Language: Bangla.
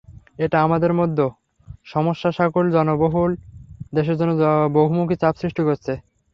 এটা আমাদের মতো সমস্যাসংকুল জনবহুল দেশের জন্য বহুমুখী চাপ সৃষ্টি করছে।